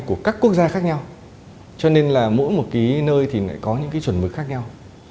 của các quốc gia khác nhau cho nên là mỗi một cái nơi thì lại có những cái chuẩn mực khác nhau